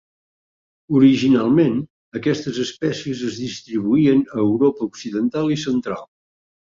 Originalment aquestes espècies es distribuïen a Europa occidental i central.